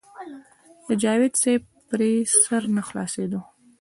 د جاوېد صېب پرې سر نۀ خلاصېدۀ -